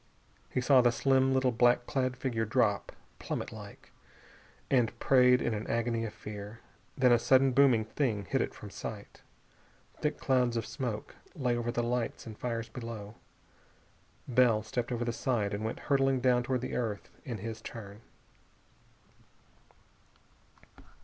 He saw the slim little black clad figure drop, plummetlike, and prayed in an agony of fear. Then a sudden blooming thing hid it from sight. Thick clouds of smoke lay over the lights and fires below. Bell stepped over the side and went hurtling down toward the earth in his turn.